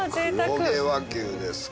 黒毛和牛ですか。